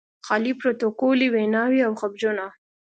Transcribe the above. خالي پروتوکولي ویناوې او خبرونه.